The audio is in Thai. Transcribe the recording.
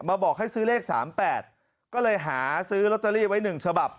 มาบอกให้ซื้อเลขสามแปดก็เลยหาซื้อล็อตเตอรี่ไว้หนึ่งฉบับ